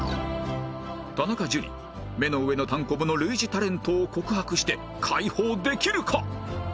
田中樹目の上のたんこぶの類似タレントを告白して解放できるか？